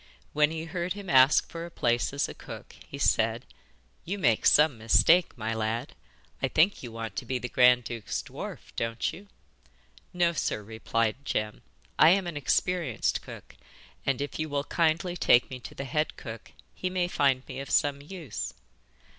When he heard him ask for a place as cook, he said: 'You make some mistake, my lad. I think you want to be the grand duke's dwarf, don't you?' 'No, sir,' replied Jem. 'I am an experienced cook, and if you will kindly take me to the head cook he may find me of some use.